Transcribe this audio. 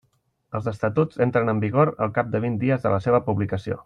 Els Estatuts entren en vigor al cap de vint dies de la seva publicació.